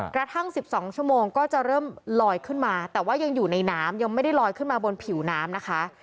กระทั่ง๑๒ชั่วโมงก็จะเริ่มลอยขึ้นมาแต่ว่ายังอยู่ในน้ำยังไม่ได้ลอยขึ้นมาบนผิวน้ำนะคะ